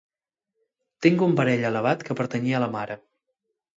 Tinc un parell elevat que pertanyia a la mare.